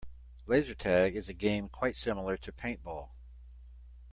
Laser tag is a game quite similar to paintball.